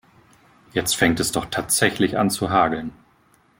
Jetzt fängt es doch tatsächlich an zu hageln.